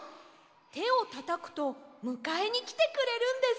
てをたたくとむかえにきてくれるんです。